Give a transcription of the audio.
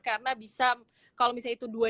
karena bisa kalau misalnya itu dua